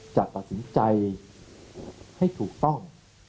จะตัดสินใจให้ถูกต้อง